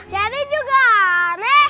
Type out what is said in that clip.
jadi juga aneh